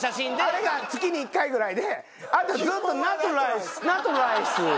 あれが月に１回ぐらいであとずっと納豆ライス納豆ライス。